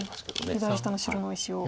左下の白の大石を。